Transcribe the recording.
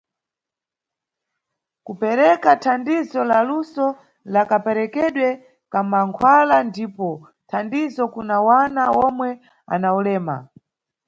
Kupereka thandizo la luso la keperekedwe ka mankhwala ndipo thandizo kuna mwana omwe ana ulema.